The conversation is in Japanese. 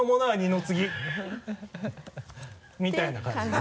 みたいな感じです。